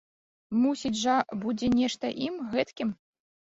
Мусіць жа, будзе нешта ім, гэткім?